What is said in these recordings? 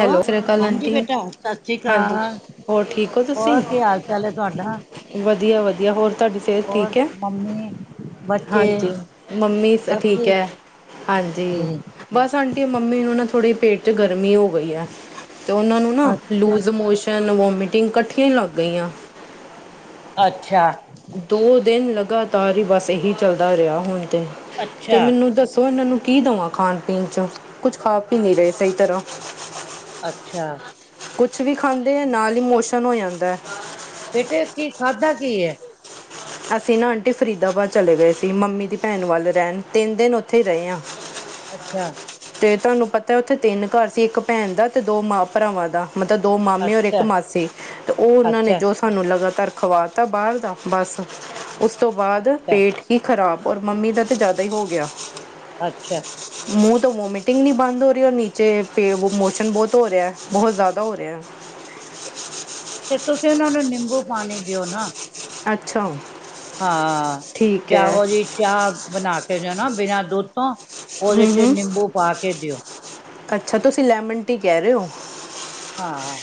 Hello ਸਤਿ ਸ੍ਰੀ ਅਕਾਲ ਹਾਂਜੀ ਆਂਟੀ ਬੇਟਾ ਸਤਿ ਸ੍ਰੀ ਹਾਂਜੀ ਅਕਾਲ ਹੋਰ ਠੀਕ ਹੋ ਤੁਸੀਂ ਹੋਰ ਕੀ ਹਾਲ ਚਾਲ ਹੈ ਤੁਹਾਡਾ ਵਧੀਆ ਵਧੀਆ ਹੋਰ ਤੁਹਾਡੀ ਸਿਹਤ ਹੋਰ ਠੀਕ ਹੈ ਮੰਮੀ ਬੱਚੇ ਹਾਂਜੀ ਮੰਮੀ ਠੀਕ ਹੈ ਹਾਂਜੀ ਬਸ ਆਂਟੀ ਮੰਮੀ ਨੂੰ ਨਾ ਥੋੜ੍ਹੀ ਪੇਟ ਕਰ ਗਰਮੀ ਹੋ ਗਈ ਐ। ਤੇ ਉਹਨਾਂ ਨੂੰ ਨਾ ਅੱਛਾ ਲੂਜ਼ ਮੋਸ਼ਨ, ਵੋਮਿਟ ਤਿੰਨ ਕੱਠੀਆਂ ਈ ਲੱਗ ਗਈਆਂ। ਅੱਛਾ। ਦੋ ਦਿਨ ਲੱਗ ਲਗਾਤਾਰ ਹੀ ਬਸ ਇਹੀ ਚੱਲਦਾ ਰਿਹਾ ਹੁਣ ਤੇ, ਤੇ ਅੱਛਾ ਮੈਨੂੰ ਦੱਸੋ ਇਹਨਾਂ ਨੂੰ ਕੀ ਦਵਾਂ ਖਾਣ ਪੀਣ ਚ ਕੁੱਛ ਖਾ ਪੀਂ ਨੀ ਰਹੇ ਸਹੀ ਤਰ੍ਹਾਂ। ਅੱਛਾ ਕੁਛ ਵੀ ਖਾਂਦੇ ਹੈ ਨਾਲ ਹੀ ਮੋਸ਼ਨ ਹੋ ਜਾਂਦਾ ਏ। ਬੇਟੇ ਕੀ ਖਾਧਾ ਕੀ ਹੈ ਅਸੀਂ ਨਾ ਆਂਟੀ ਫਰੀਦਾਬਾਦ ਚਲੇ ਗਏ ਸੀ ਮੰਮੀ ਦੀ ਭੈਣ ਵੱਲ ਰਹਿਣ, ਤਿੰਨ ਦਿਨ ਉੱਥੇ ਹੀ ਰਏ ਆ। ਅੱਛਾ। ਤੁਹਾਨੂੰ ਪਤਾ ਉੱਥੇ ਤਿੰਨ ਘਰ ਸੀ ਇੱਕ ਭੈਣ ਦਾ ਤੇ ਦੋ ਮਾਂ ਭਰਾਵਾਂ ਦਾ। ਮਤਲਬ ਦੋ ਮਾਮੇ ਔਰ ਇੱਕ ਅੱਛਾ ਮਾਸੀ ਤੇ ਉਹ ਉਹਨਾਂ ਨੇ ਅੱਛਾ ਜੋ ਸਾਨੂੰ ਲਗਾਤਾਰ ਖਵਾ ਤਾ ਬਾਹਰ ਦਾ ਬਸ ਉਸ ਤੋਂ ਬਾਅਦ ਅੱਛਾ ਪੇਟ ਕੀ ਖ਼ਰਾਬ ਪਰ ਮੰਮੀ ਦਾ ਤੇ ਜ਼ਿਆਦਾ ਹੀ ਹੋ ਗਿਆ। ਅੱਛਾ। ਮੂੰਹ ਤੋਂ ਵੋਮਟਿੰਗ ਨੀ ਬੰਦ ਹੋ ਰਈ ਰ ਨੀਚੇ ਮੋਸ਼ਨ ਬਹੁਤ ਹੋ ਰਿਆ, ਬਹੁਤ ਜ਼ਿਆਦਾ ਹੋ ਰਿਆ। ਤੇ ਤੁਸੀਂ ਇਹਨਾਂ ਨੂੰ ਨਿੰਬੂ ਪਾਣੀ ਦਿਓ ਨਾ ਅੱਛਾ। ਹਾਂ ਡ ਠੀਕ ਹੈ ਉਹਦੀ ਚਾਹ ਬਣਾ ਕੇ ਨਾ ਬਿਨਾਂ ਦੁੱਧ ਤੋਂ ਉਹਦੇ ਹੂੰ ਚ ਹੂੰ ਨਿੰਬੂ ਪਾ ਕੇ ਦਿਓ ਅੱਛਾ ਤੁਸੀਂ ਲੈਮਨ ਟੀ ਕਹਿ ਰੇ ਓ ਹਾਂ,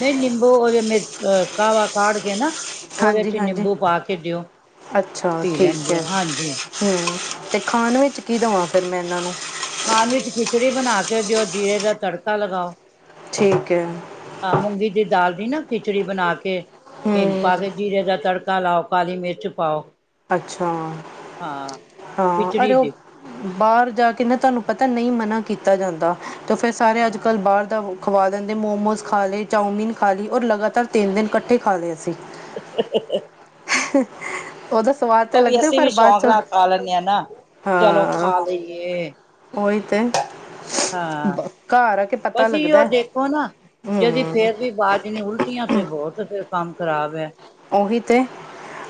ਨਹੀਂ ਨੀਂਬੂ ਉਹਦੇ ਮਿ ਅ ਕਾਵਾ ਕਾਡ ਕੇ ਨਾ ਉਹਦੇ ਚ ਹਾਂਜੀ-ਹਾਂਜੀ, ਨਿੰਬੂ ਪਾ ਕੇ ਦਿਓ ਅੱਛਾ ਪੀ ਠੀਕ ਲੈਣਗੇ ਐ, ਹਾਂਜੀ ਹੂੰ। ਤੇ ਖਾਨ ਵਿੱਚ ਕੀ ਦਵਾਂ ਫਿਰ ਮੈਂ ਇਹਨਾਂ ਨੂੰ? ਖਾਣ ਵਿੱਚ ਖਿਚੜੀ ਬਣਾ ਕੇ ਦਿਓ ਜੀਰੇ ਦਾ ਤੜਕਾ ਲਗਾਓ ਠੀਕ ਹੈ ਮੂੰਗੀ ਦੀ ਦਾਲ ਨਾ ਖਿਚੜੀ ਬਨਾ ਕੇ ਹਿਂਗ ਹੂੰ ਪਾਕੇ ਜੀਰੇ ਦਾ ਤੜਕ ਕਾ ਲਾਓ, ਕਾਲੀ ਮਿਰਚ ਪਾਓ। ਅੱਛਾ, ਹਾਂ ਹਾਂ ਅਰੇ ਖਿਚੜੀ ਓ ਦੀ ਬਾਹਰ ਜਾ ਕੇ ਨਾ ਤੁਹਾਨੂੰ ਪਤਾ ਨਹੀਂ ਮਨਾ ਕੀਤਾ ਜਾਂਦਾ। ਤੇ ਫਿਰ ਸਾਰੇ ਹਾਂ ਅੱਜ-ਕੱਲ੍ਹ ਬਾਹਰ ਦਾ ਹੋ ਖਵਾ ਦਿੰਦੇ, ਮੋਮੋਸ ਖਾ ਲਏ, ਚਾੳਮੀਨ ਖਾ ਲਈ ਔਰ ਲਗਾਤਾਰ ਤਿੰਨ ਦਿਨ ਇਕੱਠੇ ਖਾ ਲਏ ਅਸੀ। [inaudible] ਉਹਦਾ ਸਵਾਦ ਤਾਂ ਉਹ ਵੀ ਲੱਗਦਾ ਅਸੀਂ ਪਰ ਵੀ ਬਾਅਦ ਸ਼ੌਕ 'ਚ ਨਾਲ ਖਾ ਲੈਂਨੇ ਆਂ ਨਾ, ਚਲੋ ਖਾ ਲਈਏ। ਓਈ ਤੇ। ਹਾਂ, ਬ- ਘਰ ਆ ਕੇ ਪਤਾ ਬਸ ਅਹਿਓ ਲੱਗਦਾ ਹੈ। ਦੇਖੋ ਨਾ ਯਦੀ ਹੂੰ ਫੇਰ ਵੀ [unintelligible] ਨੀ ਉਲਟੀਆਂ ਤੇ ਬਹੋਤ ਫਿਰ ਕੰਮ ਖ਼ਰਾਬ ਹੈ। ਓਹੀ ਤੇ।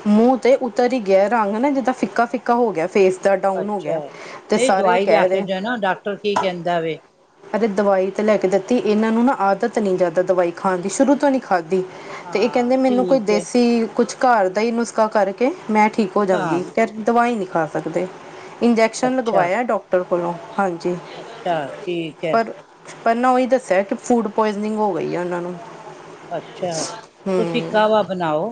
ਮੂੰਹ ਤੇ ਹਾਂ ਉਤਰ ਹੀ ਗਿਆ ਐ। ਰੰਗ ਨਾ ਜਿੱਦਾਂ ਫਿੱਕਾ-ਫਿੱਕਾ ਹੋ ਗਿਆ ਫੇਸ ਦ ਅੱਛਾ, ਨਹੀਂ ਦਵਾਈ ਲਿਆ ਕੇ ਰਹੇ ਦੇਨਾ ਡਾਕਟਰ ਕੀ ਕਹਿੰਦਾ ਵੇ? ਅਰੇ ਦਵਾਈ ਤੇ ਲੈ ਕੇ ਦਿੱਤੀ, ਇਹਨਾਂ ਨੂੰ ਨਾ ਆਦਤ ਨੀ ਜ਼ਿਆਦਾ ਦਵਾਈ ਖਾਨ ਦੀ ਸ਼ੁਰੂ ਤੋਂ ਨਹੀਂ ਖਾਧੀ। ਤੇ ਇਹ ਹਾਂ ਕਹਿੰਦੇ ਮੈਨੂੰ ਕੋਈ ਠੀਕ ਹੈ ਦੇਸੀ ਕੁਛ ਘਰ ਦਾ ਹੀ ਨੁਸਖਾ ਕਰਕੇ ਮੈਂ ਠੀਕ ਹੋ ਹਾਂ ਜਾਂਗੀ ਪਰ ਦਵਾਈ ਨੀ ਖਾ ਸਕਦੇ। ਇੰਜੈਕਸ਼ਨ ਅੱਛਾ ਲਗਵਾਇਆ ਡਾਕਟਰ ਕੋਲੋਂ ਹਾਂ ਅੱਛਾ ਠੀਕ। ਠੀਕ ਐ। ਤੁਹਾਨੂੰ ਉਹੀ ਦੱਸਿਆ ਕਿ ਫੂਡ ਪੁਆਇਜਨਿੰਗ ਹੋ ਗਈ ਐ ਉਹਨਾਂ ਨੂੰ। ਅੱਛਾ ਤੁਸੀਂ ਹੂੰ ਕਾਹਵਾ ਬਣਨਾਓ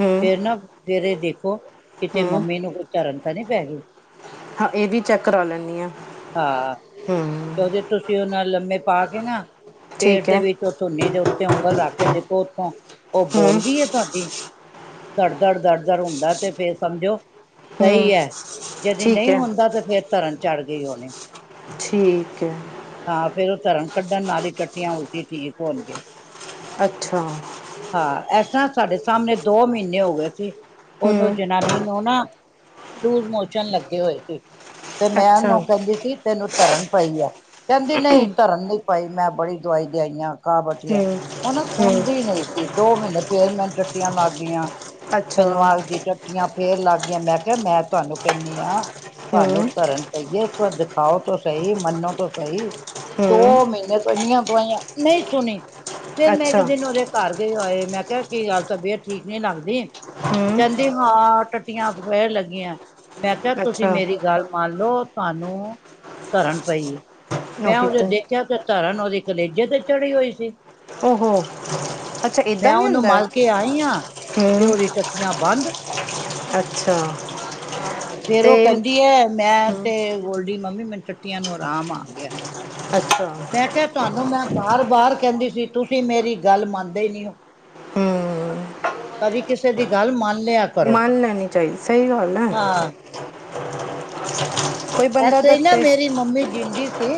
ਹੂੰ ਨਾ, ਫੇਰ ਐ ਦੇਖੋ ਕਿਤੇ ਹੂੰ ਮੰਮੀ ਨੂੰ ਉੱਚਾ ਧਰਨ ਤਾਂ ਨਹੀਂ ਪੈ ਗਈ ਹਾਂ ਇਹ ਵੀ ਚੈੱਕ ਕਰਾ ਲੈਣੀ ਆ ਹਾਂ ਤੇ ਉਹਦੇ ਤੁਸੀਂ ਉਹ ਲੰਮੇ ਪਾ ਕੇ ਤੇ ਨਾ ਪੇਟ ਠੀਕ ਦੇ ਹੈ ਵਿੱਚ ਉਹ ਧੁਨੀ ਦੇ ਉੱ ਉਂਗਲ ਰੱਖ ਕੇ ਦੇਖੋ ਉੱਥੋਂ ਉਹ ਹੂੰ ਬੋਲਦੀ ਹੈ ਤੁਹਾਡੀ ਦੜ ਦੜ ਦੜ ਦੜ ਹੁੰਦਾ ਤੇ ਫੇਰ ਸਮਝੋ ਹੂੰ ਸਹੀ ਹੈ ਜਦ ਠੀਕ ਨਹੀਂ ਹੈ ਹੁੰਦਾ ਤੇ ਫੇਰ ਧਰਨ ਚਾਰ ਉਹਨੇ ਠੀਕ ਹੈ ਹਾਂ ਫੇਰ ਉਹ ਧਰਨ ਕੱਢਣ ਨਾਲ ਹੀ ਟੱਟੀਆਂ ਉਲਟੀ ਠੀਕ ਹੋਣਗੇ ਅੱਛਾ ਹਾਂ ਇਸ ਤਰ੍ਹਾਂ ਸਾਡੇ ਸਾਹਮਣੇ ਦੋ ਮਹੀਨੇ ਹੋ ਗਏ ਸੀ ਉਹਨੂੰ ਹੂੰ ਜਨਾਨੀ ਨੂੰ ਨਾ ਲੂਜ਼ ਮੋਸ਼ਨ ਲੱਗੇ ਹੋਏ ਸੀ ਤੇ ਮੈਂ ਅੱਛਾ ਉਹਨੂੰ ਕਹਿੰਦੀ ਸੀ ਤੈਨੂੰ ਧਰਨ ਪਈ ਆ ਕਹਿੰਦੀ ਨਹੀਂ ਧਰਨ ਨਹੀਂ ਭਾਈ ਮੈਂ ਬੜੀ ਦਵਾਈ ਦੇ ਆਈ ਆ ਥਕਾਵਟ ਹੀ ਆ ਹੂੰ ਉਹ ਨਾ ਹੂੰ ਸੁਣਦੀ ਨਹੀਂ ਸੀ ਦੋ ਮਹੀਨੇ ਫੇਰ ਮੈਨੂੰ ਟੱਟੀਆਂ ਲੱਗ ਗਈਆਂ ਅੱਛਾ ਮੈਨੂੰ ਆਖਦੀ ਟੱਟੀਆਂ ਫੇਰ ਲੱਗ ਗਈਆਂ ਮੈਂ ਕਿਹਾ ਮੈਂ ਤੁਹਾਨੂੰ ਕਹਿਣੀ ਆ ਤੁਹਾਨੂੰ ਹੂੰ ਧਰਨ ਪਈ ਐ ਦਿਖਾਓ ਤਾਂ ਸਹੀ ਮੰਨੋ ਤਾਂ ਸਹੀ ਦੋ ਹੂੰ ਮਹੀਨੇ ਤੋਂ ਨੀਆਂ ਨਹੀਂ ਸੁਣੀ ਫੇਰ ਮੈਂ ਇੱਕ ਅੱਛਾ ਦਿਨ ਉਰੇ ਆਏ ਮੈਂ ਕਿਹਾ ਕੀ ਗੱਲ ਤਬੀਅਤ ਠੀਕ ਨੀ ਲੱਗਦੀ ਹੂੰ ਕਹਿੰਦੇ ਹਾਂ ਟੱਟੀਆਂ ਫਿਰ ਲੱਗੀਆਂ ਮੈਂ ਕਿਹਾ ਤੁਸੀਂ ਅੱਛਾ ਮੇਰੀ ਗੱਲ ਮੰਨ ਲਓ ਚਲੋ ਤੁਹਾਨੂੰ ਧਰਨ ਪਈ ਹੈ ਮੈਂ ਉਹੀ ਉਹਦੇ ਤਾਂ ਦੇਖਿਆ ਤੇ ਧਾਰਨ ਉਹਦੀ ਕਲੇਜੇ ਤੇ ਚੜੀ ਹੋਈ ਸੀ। ਉਹੋ, ਮੈਂ ਉਹਨੂੰ ਮਲ ਕੇ ਆਈ ਹਾਂ, ਤੇ ਹੂੰ ਉਹਦੀ ਟੱਟੀਆਂ ਬੰਦ। ਅੱਛਾ, ਹਾਂ ਫਿਰ ਤੇ ਉਹ ਕਹਿੰਦੀ ਹੈ, ਮੈਂ ਤੇ ਗੋਲਡੀ ਮੰਮੀ ਮੈਨੂੰ ਟੱਟੀਆਂ ਨੂੰ ਆਰਾਮ ਆ ਗਿਆ। ਅੱਛਾ ਮੈਂ ਕਿਹਾ ਤੁਹਾਨੂੰ, ਮੈਂ ਬਾਰ- ‌ਬਾਰ ਕਹਿੰਦੀ ਸੀ, ਤੁਸੀਂ ਮੇਰੀ ਗੱਲ ਮੰਨਦੇ ਨੀ ਹੋ। ਹੂੰ ਕਦੀ ਕਿਸੇ ਦੀ ਗੱਲ ਮੰਨ ਲਿਆ ਕਰੋ ਮੰਨ ਲੈਣੀ ਚਾਹੀਦੀ, ਸਹੀ ਗੱਲ ਹੈ। ਹਾਂ ਕੋਈ ਬੰਦਾ ਐਸੇ ਹੀ ਨਾ ਦੱਸੇ ਮੇਰੀ ਮੰਮੀ ਜਿੰਦੀ ਸੀ,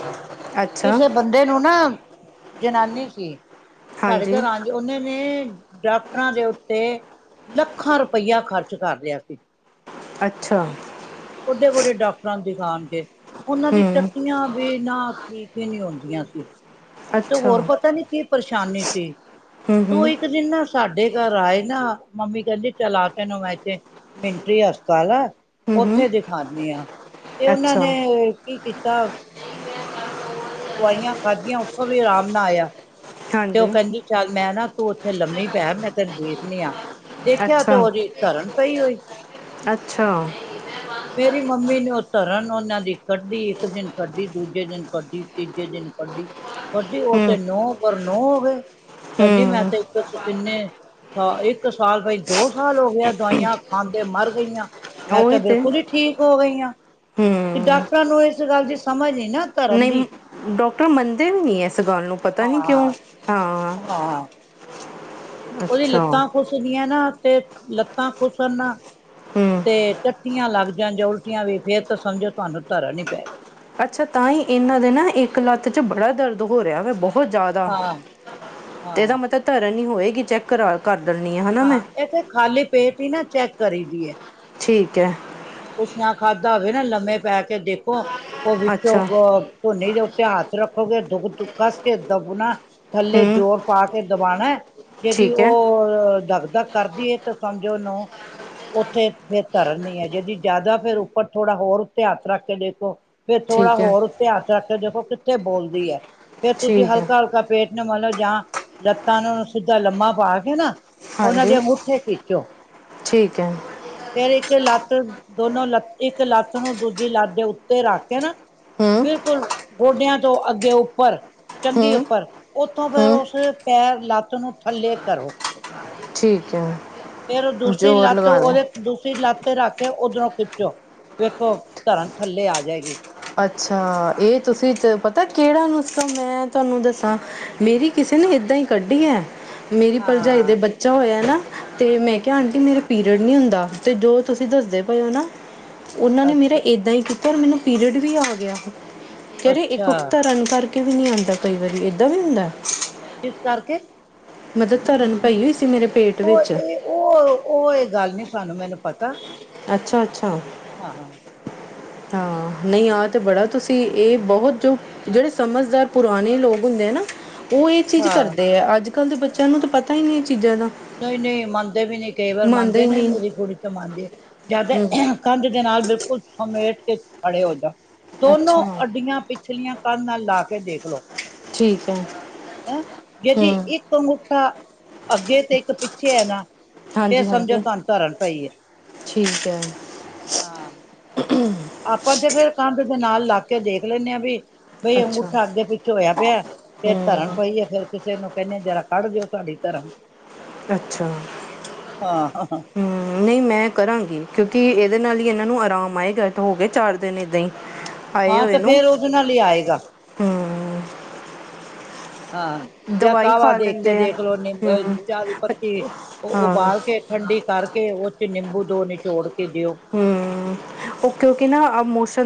ਅੱਛਾ ਕਿਸੇ ਬੰਦੇ ਨੂੰ ਨਾਂ ਜਨਾਨੀ ਸੀ। ਸਾਡੇ ਹਾਂਜੀ ਘਰਾਂ ਚ ਉਨੇ ਵੇ ਡਾਕਟਰਾਂ ਦੇ ਉੱਤੇ ਲੱਖਾਂ ਰੁਪਈਆ ਖ਼ਰਚ ਕਰ ਰਿਹਾ ਸੀ। ਅੱਛਾ, ਬੁਢੇ -ਬੁਢੇ ਡਾਕਟਰਾਂ ਨੂੰ ਦਿਖਾਣਗੇ। ਉਹਨਾਂ ਦੀ ਹੂੰ ਟੱਟੀਆਂ ਵੀ ਨਾ ਠੀਕ ਵੀ ਨਹੀਂ ਹੁੰਦੀਆਂ ਸੀ। ਤੇ ਅੱਛਾ ਹੋਰ ਪਤਾ ਨੀ ਕੀ ਪਰਸ਼ ਛਾਨੀ ਸੀ‌। ਹੂੰ ਤੂੰ ਹੂੰ ਇੱਕ ਦਿਨ ਨਾ ਸਾਡਾ ਸਾਡੇ ਘਰ ਆਏ ਨਾ ਮੰਮੀ ਕਹਿੰਦੀ ਚਲਾ ਆ ਤੈਨੂੰ ਮੈਂ ਇਥੇ ਮਿੰਟਰੀ ਹਸਪਤਾਲ ਆ, ਹੂੰ ਹੂੰ ਉੱਥੇ ਦਿਖਾਉਂਦੀ ਹਾਂ। ਤੇ ਉਹਨਾਂ ਅੱਛਾ ਨੇ ਕੀ ਕੀਤਾ ਚਾਲ ਦਵਾਈਆਂ ਖਾਧੀਆਂ ਉੱਥੋਂ ਵੀ ਆਰਾਮ ਨਾ ਆਇਆ। ਤੇ ਉਹ ਹਾਂਜੀ ਕਹਿੰਦੀ ਚੱਲ ਮੈਂ ਨਾ, ਤੂੰ ਉੱਥੇ ਲੰਮੀ ਪੈ ਮੈਂ ਤੈਨੂੰ ਦੇਖਦੀ ਆਂ। ਦੇਖਿਆ ਚ ਅੱਛਾ ਉਹਦੀ ਧਰਨ ਪਈ ਹੋਈ, ਅੱਛਾ ਮੇਰੀ ਮੰਮੀ ਨੇ ਧਰਨ ਉਹਨਾਂ ਦੀ ਕੱਢੀ, ਇੱਕ ਦਿਨ ਕੱਢੀ, ਦੂਜੇ ਦਿਨ ਕੱਢੀ, ਤੀਜੇ ਦਿਨ ਕੱਢੀ। ਵੱਡੀ ਹਮ ਉੱਥੇ ਨੋ, ਪਰ ਨੋ ਹੋਵੇ ਕਹਿੰਦੀ ਮੈਂ ਹਮ ਤੇ ਇੱਕ ਕਿੰਨੇ ਸ ਇੱਕ ਸਾਲ ਬਾਈ ਦੋ ਸਾਲ ਹੋ ਗਏ ਦਵਾਈਆਂ ਖਾਂਦੇ ਮਰ ਗਈਆਂ। ਮੈਂ ਤਾਂ ਉਹੀ ਤੇ ਬਿਲਕੁਲ ਹੀ ਠੀਕ ਹੋ ਗਈਆਂ, ਤੇ ਹਮ ਡਾਕਟਰਾਂ ਨੂੰ ਇਸ ਗੱਲ ਦੀ ਸਮਝ ਨਹੀਂ ਨਾ ਧਰਨ ਦੀ। ਨਹੀਂ ਡਾਕਟਰ ਮੰਨਦੇ ਵੀ ਨਹੀਂ ਇਸ ਗੱਲ ਨੂੰ। ਪਤਾ ਨੀ ਕਿਉਂ, ਹਾਂ ਹਾਂ। ਹਾਂ। ਉਹਦੀ ਅੱਛਾ ਲੱਤਾਂ ਖੁਸ਼ਦੀਆਂ ਨਾ ਤੇ ਲੱਤਾਂ ਖੁਸਨਾ ਹਮ ਤੇ ਤਤੀਆਂ ਲੱਗ ਜਾਣ ਜੇ ਉਲਟੀਆਂ ਵੀ ਫੇਰ ਤਾਂ ਸਮਝੋ ਤੁਹਾਨੂੰ ਧਰਨ ਪੈਗੀ ਅੱਛਾ, ਤਾਂ ਈ ਇਨਾਂ ਦੇ ਨਾ ਇੱਕ ਲੱਤ ਚ ਬੜਾ ਦਰਦ ਹੋ ਰੇਆ ਵੇ ਬਹੋ ਬਹੁਤ ਜ਼ਿਆਦਾ ਹਾਂ ਤੇ ਇਹਦਾ ਹਾਂ ਮਤਲਬ ਧਰਨ ਹੀ ਹੋਏ ਕੀ ਚੈੱਕ ਕਰਾ ਕਰ। ਦਿੰਦੀ ਹੈ ਨਾ ਮੈਂ ਹਾਂ ਇੱਥੇ ਖਾਲੀ ਪੇਟ ਨਾ ਚੈੱਕ ਕਰੀ ਦੀਏ। ਠੀਕ ਹੈ। ਕੁਛ ਨਾ ਖਾਧਾ ਹੋਵੇ ਨਾ ਲੰਮੇ ਪੈ ਕੇ ਦੇਖੋ ਉਹ ਵਿੱਚੋਂ ਅੱਛਾ ਵ ਧਝੋਨੀੇ ਦੇ ਉੱਤੇ ਹਾਤ ਰੱਖੋਗੇ ਦੁੱਖ ਦੁ ਕੱਸ ਕੇ ਦਬਣਾ ਥੱਲੇ ਹਮ ਜ਼ੋਰ ਪਾ ਕੇ ਦਬਾਨਾਂ। ਜਿਹੜੀ ਠੀਕ ਹੈ ਉਹ ਧਾਕ-ਧਾਕ ਕਰਦੀ ਹੈ ਤਾਂ ਸਮਝੋ ਨ ਉੱਥੇ ਫਿਰ ਧਰਨੀ ਹੈ ਜਿਹੜੀ ਜ਼ਿਆਦਾ ਫੇਰ ਉੱਪਰ ਥੋੜਾ ਹੋਰ ਉੱਤੇ ਰੱਖ ਕੇ ਦੇਖੋ। ਫੇਰ ਥੋੜ੍ਹਾ ਠੀਕ ਹੈ ਹੋਰ ਧਿਆਨ ਚ ਰੱਖ ਕੇ ਦੇਖੋ। ਕਿੱਥੇ ਬੋਲਦੀ ਹੈ। ਫੇਰ ਤੁਸੀਂ ਠੀਕ ਹੈ ਹਲਕਾ ਹਲਕਾ ਪੇਟ ਨੂੰ ਮੱਲੋ ਜਾਂ ਲੱਤਾਂ ਨੂੰ ਸਿੱਧਾ ਲੰਮਾ ਪਾ ਕੇ ਨਾ ਉਹਨਾਂ ਹਾਂਜੀ ਦੇ ਅੰਗੂਠੇ ਖਿੱਚੋ, ਠੀਕ ਹੈ ਫਿਰ ਇੱਕ ਲੱਤ ਤੇ ਦੋਨੋ ਲੱਤ ਇੱਕ ਲੱਤ ਨੂੰ ਦੂਜੀ ਲੱਤ ਦੇ ਉੱਤੇ ਰੱਖ ਕੇ ਨਾ ਹਮ ਬਿਲਕੁਲ। ਗੋਡਿਆਂ ਤੋਂ ਅੱਗੇ ਉੱਪਰ ਚੰਗੀ ਹਮ ਉੱਪਰ ਉੱਥੋਂ ਫਿਰ ਹਮ ਉਸ ਪੈਰ ਲੱਤ ਨੂੰ ਥੱਲੇ ਕਰੋ। ਠੀਕ ਐ। ਫੇਰ ਦੂਸਰੀ ਲੱਤ ਉਹਦੇ ਦੂਸਰੀ ਲੱਤ ਤੇ ਰੱਖ ਕੇ ਉਓਧਰੋਂ ਖਿੱਚੋ ਵੇਖੋ ਧਰਮ ਥੱਲੇ ਆ ਜਾਏਗੀ। ਅੱਛਾ ਇਹ ਤੁਸੀਂ ਹਾਂ ਪਤਾ ਕਿਹੜਾ ਨੂੰ ਮੈਂ ਤੁਹਾਨੂੰ ਦੱਸਾਂ ਮੇਰੀ ਕਿਸੇ ਨੇ ਏਦਾਂ ਹੀ ਕੱਢੀ ਹੈ। ਮੇਰੀ ਭਰਜਾਈ ਦੇ ਹਾਂ ਬੱਚਾ ਹੋਇਆ ਨਾ ਤੇ ਮੈਂ ਕਿਹਾ ਆਂਟੀ ਮੇਰੇ ਪੀਰ ਨੀ ਹੁੰਦਾ ਤੇ ਜੋ ਤੁਸੀਂ ਦੱਸਦੇ ਪਏ ਹੋ ਨਾ ਉਹਨਾਂ ਨੇ ਮੇਰਾ ਅੱਛਾ ਏਦਾਂ ਹੀ ਕੀਤ ਫਿਰ ਮੈਨੂੰ [unintelligible] ਆ ਗਿਆ ਅੱਛਾ [unintelligible] ਧਰਨ ਕਰਕੇ ਵੀ ਨਹੀਂ ਆਂਦਾ ਕਈ ਵਾਰੀ ਏਦਾਂ ਵੀ ਹੁੰਦਾ ਕਿਸ ਕਰਕੇ ਮਗਰ ਧਰਨ ਪਈ ਹੋਈ ਸੀ ਮੇਰੇ ਪੇਟ ਉਹ ਵਿੱਚ ਇਹ ਉਹ-ਉਹ ਗੱਲ ਨੀ ਸਾਨੂੰ ਮੈਨੂੰ ਪਤਾ ਅੱਛਾ-ਅੱਛਾ ਹਾਂ ਹਾਂ ਨਹੀਂ ਆਹ ਤੇ ਬੜਾ ਤੁਸੀਂ ਇਹ ਬਹੁਤ ਜੋ ਜਿਹੜੇ ਸਮਝਦਾਰ ਪੁਰਾਣੇ ਲੋਕ ਹੁੰਦੇ ਆ ਨਾ ਉਹ ਇਹ ਚੀਜ਼ ਹਾਂ ਕਰਦੇ ਹੈ ਅੱਜ ਅੱਜ ਕੱਲ ਦੇ ਬੱਚਿਆਂ ਨੂੰ ਤਾਂ ਪਤਾ ਹੀ ਨਹੀਂ ਚੀਜ਼ਾਂ ਦਾ ਨਹੀਂ-ਨਹੀਂ ਮੰਨਦੇ ਵੀ ਨਹੀਂ ਕਈ ਵਾਰ ਮੰਨਦੇ ਹੀ ਨਾ ਨਹੀਂ ਮੇਰੀ ਕੁੜੀ ਤੋਂ ਮੰਨਦੀ ਜਾਂ ਹੂੰ ਤਾਂ ਦੇ ਨਾਲ ਬਿਲਕੁਲ ਸਮੇਟ ਕੇ ਖੜੇ ਹੋ ਜਾਂ ਦੋਨੋ ਅੱਛਾ ਅੱਡੀਆਂ ਪਿਛਲੀਆਂ ਧਨ ਨਾਲ ਲਾ ਕੇ ਦੇਖਲੋ ਠੀਕ ਹੈ [inaudible] ਤਾਂ ਹੂੰ ਅੱਗੇ ਤੇ ਇੱਕ ਪਿੱਛੇ ਐ ਨਾ ਫਿਰ ਹਾਂਜੀ ਸਮਝੋ ਹਾਂਜੀ ਤੁਹਾਨੂੰ ਧਰਨ ਪਈ ਏ [inaudible] ਹਾਂ ਆਪਾਂ ਜੇ ਫਿਰ ਕੰਦ ਦੇ ਨਾਲ ਲੱਗ ਕੇ ਦੇਖ ਲੈਣੇ ਆ ਵੀ ਬਈ ਅੱਛਾ ਅੰਗੂਠਾ ਅੱਗੇ ਪਿੱਛੋਂ ਹੋਇਆ ਪਿਆ ਫਿਰ ਧਰਨ ਹੂੰ ਪਈਏ ਫੇਰ ਕਿਸੇ ਨੂੰ ਕਹਿੰਦੇ ਜਰਾ ਕੱਢ ਜੋ ਤੁਹਾਡੀ ਧਰਨ ਅੱਛਾ ਹਾਂ ਹਾਂ ਹੂੰ, ਨਹੀਂ ਮੈਂ ਕਰਾਂਗੀ ਕਿਉਂਕਿ ਕਿ ਇਹਦੇ ਨਾਲ ਹੀ ਇਹਨਾਂ ਨੂੰ ਆਰਾਮ ਆਏ ਗਾ ਤਾਂ ਹੋ ਗਏ ਚਾਰ ਦਿਨ ਇੱਦਾਂ ਹੀ ਆਏ ਹਾਂ ਹੋਏ ਤੇ ਨੂੰ ਫੇਰ ਉਦੇ ਨਾਲ ਹੀ ਆਏਗਾ ਹੂੰ ਹਾਂ ਜਾਂ ਦਵਾਈ ਕਾਹਵਾ ਖਾ ਦੇਖ ਕੇ ਲੈਂਦੇ ਆ ਦੇਖ ਲਓ ਨਿੰਬ ਹੂੰ ਚ ਦੀ ਪੱਤੀ ਉਹ ਹਾਂ ਉਬਾਲ ਕੇ ਠੰਡੀ ਕਰਕੇ ਉਹ ਤੇ ਨਿੰਬੂ ਦੋ ਨਿਚੋੜ ਕੇ ਦਿਓ ਹੂੰ ਓਕੇ-ਓਕੇ ਨਾ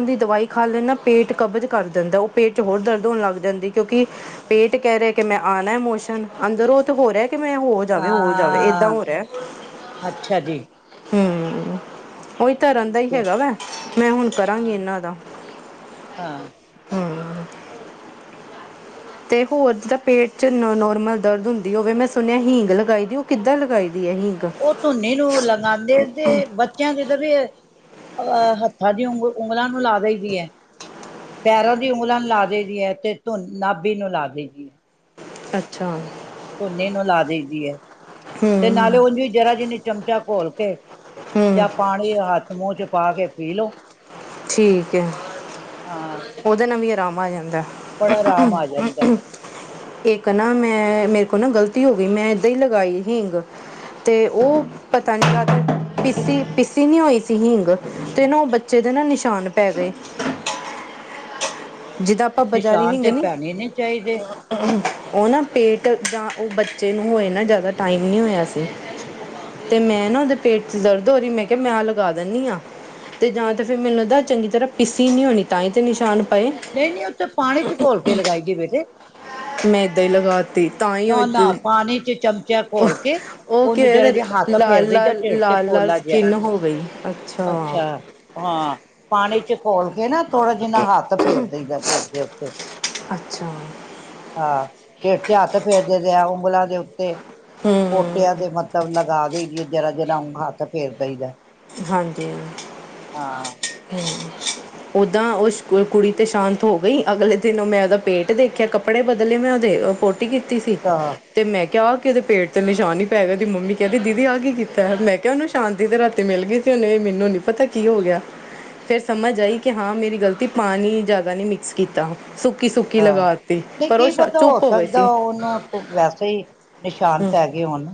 ਦੀ ਦਵਾਈ ਖਾ ਲੈ ਨਾ ਪੇਟ ਕਬਜ਼ ਕਰ ਦਿੰਦਾ ਉਹ ਪੇਟ ਚ ਹੋਰ ਦਰਦ ਹੋਣ ਲੱਗ ਜਾਂਦੀ ਕਿਉਂਕਿ ਪੇਟ ਕੈ ਰਿਹਾ ਕਿ ਮੈਂ ਆਣਾ ਇਮੋਸ਼ਨ ਅੰਦਰੋਂ ਤੇ ਹੋਰ ਹੈ? ਕਿਵੇ ਹੋ ਜਾਵੇ ਹੋ ਜਾਵੇ ਏਦਾਂ ਹਾਂ ਹੋ ਰਿਹਾ ਹੈ? ਅੱਛਾ ਜੀ ਹੂੰ। ਉਹੀ ਤਾਂ ਰਹਿੰਦਾ ਹੀ ਠੀਕ ਹੈ ਹੈਗਾ ਵਾ ਮੈਂ ਹੁਣ ਕਰਾਂਗੀ ਹਾਂ ਇਹਨਾਂ ਦਾ ਹਾਂ ਹੂੰ। ਤੇ ਹੋਰ ਜਿਦਾ ਪੇਟ 'ਚ ਨੋਰਮਲ ਦਰਦ ਹੁੰਦੀ ਹੋਵੇ, ਮੈਂ ਸੁਣਿਆ ਹੀਂਗ ਲਗਾਈ ਦੀ ਉਹ ਕਿੱਦਾਂ ਲਗਾਈ ਦੀ? ਹੈ ਹੀਂਗ ਉਹ ਧੰਨੀ ਨੂੰ ਲਗਾਦੇ ਹੈ। ਤੇ ਬੱਚਿਆਂ ਕਿਤੇ ਵੀ ਅਹ ਹੱਥਾਂ ਦੀ ਉਗ ਉਂਗਲਾਂ ਨੂੰ ਲਾ ਦੇ ਦੀ ਹੈ, ਪੈਰਾਂ ਦੀ ਉਂਗਲਾਂ ਨੂੰ ਲਾ ਦੇ ਦੀ ਹੈ, ਤੇ ਧੁ ਨਾਭੀ ਨੂੰ ਲਾ ਦੇ ਦੀ ਹੈ। ਅੱਛਾ ਧੁਨੀ ਨੂੰ ਲਾ ਦੇਈ ਦੀ ਐ। ਤੇ ਨਾਲੇ ਹੂੰ ਹੁੰਦੀ ਜਰਾ ਜਿਨੀ। ਚਮਚਾ ਘੋਲ ਕੇ ਹੂੰ ਜਾਂ ਪਾਣੀ ਹੱਥ ਮੂੰਹ ਚ ਪਾ ਕੇ ਪੀ ਲਓ। ਠੀਕ ਹੈ ਹਾਂ ਉਹਦੇ ਨਾਲ ਵੀ। ਰਾਮ ਆ ਜਾਂਦਾ ਹੈ। ਬੜਾ ਆਰਾਮ ਆ ਜਾਂਦਾ ਹੈ ‌। ਇੱਕ ਨਾ ਮੈਂ ਮੇਰੇ ਕੋਲ ਨਾ ਗ਼ਲਤੀ ਹੋ ਗਈ ਮੈਂ ਏਦਾਂ ਹੀ ਲਗਾਈ ਹਿੰਗ। ਤੇ ਉਹ। ਪਾਣੀ ਲਾ ਕੇ ਪੀਸੀ ਨੀ ਹੋਈ ਸੀ ਹਿੰਗ ਤੇ ਨਾ ਉਹ ਬੱਚੇ ਦੇ ਨਾ ਨਿਸ਼ਾਨ ਪੈ ਗਏ। ਜਿੱਦਾਂ ਆਪਾਂ ਬਾਜ਼ਾਰੀ ਨਿਸ਼ਾਨ ਹਿੰਗ ਤੇ ਨੀ ਪੈਣੇ ਚਾਹੀਦੇ ਉਹ ਨਾ ਪੇਟ। ਇਸ ਤਰ੍ਹਾਂ ਉਹ ਬੱਚੇ ਨੂੰ ਹੋਏ ਨਾ ਜ਼ਿਆਦਾ ਟਾਈਮ ਨਹੀਂ ਹੋਇਆ ਸੀ, ਤੇ ਮੈਂ ਨਾ ਉਹਦੇ ਪੇਟ 'ਚ ਦਰਦ ਹੋ ਰਹੀ ਮੈਂ ਕਿਹਾ ਮੈਂ ਆ ਲਗਾ ਦਿੰਨੀ ਆਂ। ਤੇ ਜਾਂ ਤਾਂ ਫਿਰ ਮੈਨੂੰ ਲੱਗਦਾ ਚੰਗੀ ਤਰ੍ਹਾਂ ਪੀਸੀ ਨਹੀਂ ਹੋਣੀ, ਤਾਂ ਹੀ ਤੇ ਨਿਸ਼ਾਨ ਪਏ ਨਹੀਂ-ਨਹੀਂ ਉਹ ਤੇ ਪਾਣੀ 'ਚ ਘੋਲ ਕੇ ਲਗਾਈ ਦੀ ਹੈ ਬੇਟੇ। ਮੈਂ ਏਦਾਂ ਹੀ ਲਗਾਤੀ ਤਾਂ ਹੀ ਉਹੀ ਨਾ ਨਾ ਏਦ ਪਾਣੀ ਚ ਚਮਚਾ ਘੋਲ ਕੇ ਉਹ ਕੀ ਉਹਨੂੰ ਜਰਾ ਹੋਇਆ ਜਿਹਾ ਹੱਥ ਫੇਰ ਦਈਦਾ ਢਿੱਡ ਤੇ ਲਾਲ-ਲਾਲ-ਲਾਲ ਪੋਲਾ ਜਿਹਾ ਸਕਿੰਨ ਹੋ ਗਈ ਹੈ। ਅੱਛਾ ਹਾਂ। ਪਾਣੀ 'ਚ। ਖੋਲ ਕੇ ਨਾ ਥੋੜਾ ਜਾ ਨਾ ਹੱਥ ਫੇਰ ਦੇ ਦੀ ਦਾ ਸਿਰ ਦੇ ਉੱਤੇ। ਅੱਛਾ। ਹਾਂ ਸਿਰ 'ਚ ਹੱਥ ਫੇਰ ਦਿੰਦੇ ਆ ਉਗਲਾਂ ਦੇ ਉੱਤੇ। ਪੋਟਿਆਂ ਹੂੰ ਦੇ ਮਤਲਬ ਲਗਾ ਦੇਈ ਦੀ ਹਾਂ। ਜ਼ਰਾ-ਜ਼ਰਾ ਹੱਥ ਫੇਰ ਦੇਈ ਦਾ। ਹਾਂਜੀ ਹੂੰ। ਓਦਾਂ ਉਸ ਕੁੜੀ ਤੇ ਸ਼ਾਂਤ ਹੋ ਗਈ, ਅਗਲੇ ਦਿਨ ਉਹ ਮੈਂ ਉਹਦਾ ਪੇਟ ਦੇਖਿਆ ਕੱਪੜੇ ਬਦਲੇ ਮੈਂ ਉਹਦੇ। ਪੋਟੀ ਕੀਤੀ ਸੀ, ਤਾਂ ਤੇ ਮੈਂ ਕਿਹਾ ਉਹ। ਤੇ ਉਹ ਦੇ ਪੇਟ ਤੇ ਨਿਸ਼ਾਨ ਹੀ ਪੈ ਗਿਆ। ਉਹਦੀ ਮੰਮੀ ਕਹਦੀ ਦੀਦੀ ਆਹ ਕੀ ਕੀਤਾ ਹੈ ਮੈਂ ਕਿਹਾ ਨਿਸ਼ਾਨ ਤੇ ਰਾਤੀ ਅਤੇ ਮਿਲ ਗਈ ਸੀ ਉਹਨੂੰ ਮੈਨੂੰ ਨਹੀਂ ਪਤਾ ਕੀ ਹੋ ਗਿਆ ਫਿਰ ਸਮਝ ਆਈ ਕਿ ਹਾਂ ਮੇਰੀ ਗਲਤੀ ਪਾਣੀ ਜ਼ਿਆਦਾ ਨਹੀਂ ਮਿਕਸ ਕੀਤਾ ਸੁੱਕੀ ਸੁੱਕੀ ਹਾਂ, ਲਗਾ ਤੀ ਨਹੀਂ ਪਰ ਉਹ ਕੀ ਪਤਾ ਹੋ ਚੁੱਪ ਗਏ ਸਕਦਾ ਸੀ। ਉਹਨੂੰ ਵੈਸੇ ਹੀ ਨਿਸ਼ਾਨ ਹੂੰ ਪੈ ਗਏ ਹੋਨ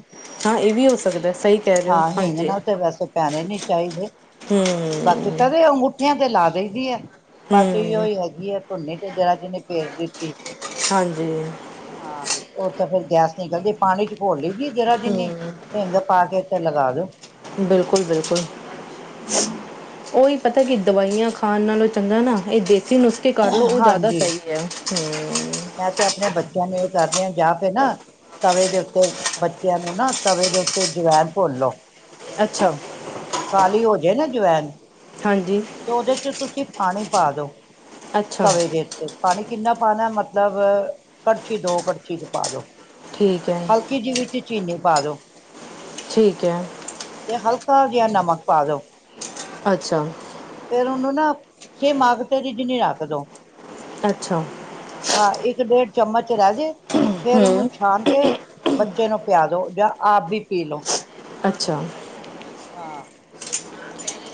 ਹਾਂ ਇਹ ਵੀ ਹੋ ਸਕਦਾ ਸਹੀ ਕਹਿ ਰਹੇ ਹੋ ਹਾਂ ਹਿੰਗ ਹਾਂਜੀ ਨਾਲ ਤੇ ਵੈਸੇ ਪੈਣੇ ਨੀ। ਚਾਹੀਦੇ ਹੂੰ ਬਾਕੀ ਪਹਿਲੇ ਅੰਗੂਠੀਆਂ ਤੇ ਲਾ ਚਾਹੀਦਾ ਐ। ਬਸ ਉਹੀ ਉ ਹੂੰ ਹੀ ਹੈਗੀ ਐਂ ਝੋਨੇ ਤੇ ਜਰਾ ਜੀ ਨੇ ਫੇਰ ਦਿੱਤੀ। ਹਾਂਜੀ ਹਾਂ, ਉਸ ਤਾਂ ਫਿਰ ਗੈਸ ਨਿਕਲ ਜਾਏ, ਪਾਣੀ ਚ' ਘੋਲ ਲਈ ਜ਼ਰਾ ਜਿੰਨੀ ਹਿੰਗ ਪਾ ਕੇ ਤੇ ਲਗਾ ਲੋ [inaudible] ਬਿਲਕੁਲ, ਬਿਲਕੁਲ ਉਹੀ ਪਤਾ ਕੀ ਦਵਾਈਆਂ ਖਾਣ ਨਾਲੋਂ ਚੰਗਾ ਨਾ ਇਹ ਦੇਸ ਦੇਸੀ ਨੁਸਖੇ ਕਰ ਲਓ ਉਹ ਜ਼ਿਆਦਾ ਹਾਂਜੀ ਸਹੀ ਹੈ। ਹੁੰ ਮੈਂ ਤੇ ਆਪਣੇ ਬੱਚਿਆਂ ਨੂੰ ਇਹ ਕਰਦੀ ਆ ਜਾ ਤੇ ਨਾ ਤਵੇ ਦੇ ਉੱਤੇ ਬੱਚਿਆਂ ਨੂੰ ਨਾ ਤਵੇ ਦੇ ਉੱਤੇ ਜਵੈਨ ਭੁੰਨ ਲਓ ਅੱਛਾ ਕਾਲੀ ਹੋ ਜੇ ਨਾ ਜਵੈਨ ਹਾਂਜੀ ਤੇ ਉਹਦੇ ਚ' ਤੁਸੀਂ ਪਾਣੀ ਪਾ ਦੋ ਅੱਛਾ ਤਵੇ ਦੇ ਉੱਤੇ ਪਾਣੀ ਕਿੰਨਾ ਖਾਣਾ ਮਤਲਬ ਕੜਛੀ ਦੋ ਕੜਛੀ ਕ ਪਾ ਦਉ ਠੀਕ ਹੈ ਹਲਕੀ ਜੀ ਵਿੱਚ ਚੀਨੀ ਪਾਦੋ ਠੀਕ ਹੈ ਥੋੜਾ ਜਿਹਾ ਨਮਕ ਪਾ ਲਓ। ਅੱਛਾ ਫਿਰ ਉਹਨੂੰ ਨਾ ਹੇ ਮਾਗਤ ਤੇ ਜਿੰਨੀ ਰੱਖ ਦੋ ਅੱਛਾ ਹਾਂ, ਇੱਕ ਡੇਢ ਚਮਚ ਰਹਿ ਜੇ ਫੇਰ ਉਹਨੂੰ ਛਾਣ ਕੇ ਬੱਚੇ ਨੂੰ ਪਿਆ ਦੋ ਜਾਂ ਆਪ ਵੀ ਪੀ ਲੋ ਅੱਛਾ ਹਾਂ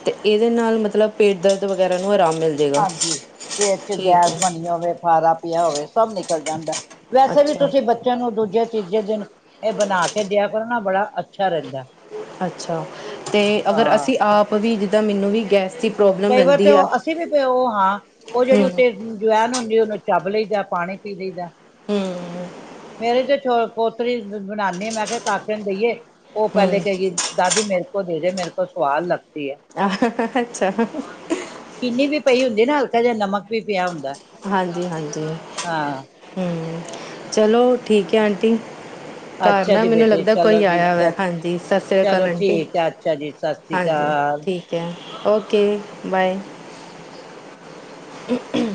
ਤੇ ਏਦੇ ਨਾਲ ਮਤਲਬ ਪੇਟ ਦਰਦ ਵਗੈਰਾ ਨੂੰ ਆਰਾਮ ਮਿਲ ਜੇਗਾ ਹਾਂਜੀ, ਪੇਟ ਚ ਠੀਕ ਗੈਸ ਹੈ ਬਨੀ ਹੋਵੇ ਫਾਰਾ ਪੇਆ ਹੋਵੇ ਸਭ ਨਿਕਲ ਜਾਂਦੈ। ਵੈਸੇ ਵੀ ਅੱਛਾ ਤੁਸੀਂ ਬੱਚੇਆਂ ਨੂੰ ਦੂਜੇ ਤੀਜੇ ਦਿਨ ਏ ਬਨਾ ਕੇ ਦੇਆ ਕਰਨਾ ਬੜਾ ਅੱਛਾ ਰੈਂਦੈ ਅੱਛਾ ਤੇ ਅਗਰ ਅਸੀਂ ਆਪ ਵੀ ਦਾ ਮੈਨੂੰ ਵੀ ਗੈ ਕਈ ਵਾਰ ਤੇ ਓ ਅਸੀਂ ਵੀ ਓ ਹਾਂ, ਹੂੰ [unintelligible] ਚੱਬ ਲਈ ਜਾ ਪਾਣੀ ਪੀ ਲਈ ਦੈ ਹਮ ਤੇਰੇ ਤੇ ਚੋ ਪੋਤਰੀ ਬਣਾਨੀ ਆ ਮੈਂ ਕਿਹਾ ਕਾਕੇ ਨੂੰ ਦੇਈਏ, ਉਹ ਪਹਿਲੇ ਹੂੰ ਕਹੇਗੀ ਦਾਦੀ ਮੇਰੇ ਕੋ ਦੇ ਦੇ ਮੇਰੇ ਕੋ ਸਵਾਦ ਲੱਗ ਆਹ ਅੱਛਾ ਚੀਨੀ ਵੀ ਪਈ ਹੁੰਦੀ ਨਾ ਹਲਕਾ ਜਿਹਾ ਨਮਕ ਵੀ ਪਿਆ ਹੁੰਦਾ ਹਾਂਜੀ-ਹਾਂਜੀ ਹਾਂ ਹਮ ਚਲੋ ਠੀਕ ਹੈ ਆਂਟੀ ਘਰ ਅੱਛਾ ਨਾ ਜੀ ਮੈਨੂੰ ਬੇਟੇ ਲੱਗਦਾ ਚਲੋ ਕੋਈ ਜੀ ਆਇਆ ਵੈ, ਹਾਂਜੀ ਸਤਿ ਸ੍ਰੀ ਅਕਾਲ ਚਲੋ ਆਂਟੀ ਠੀਕ ਹੈ ਅੱਛਾ ਜੀ ਸਤਿ ਸ਼੍ਰੀ ਹਾਂਜੀ ਅਕਾਲ ਠੀਕ ਹੈ ਓਕੇ ਬਾਏ ਹਮ-ਮ